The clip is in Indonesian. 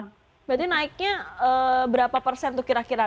berarti naiknya berapa persen tuh kira kira